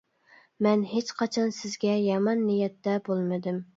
مەن ھېچقاچان سىزگە يامان نىيەتتە بولمىدىم.